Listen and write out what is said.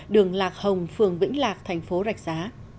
đường lạc hồng phường vĩnh lạc thành phố rạch giá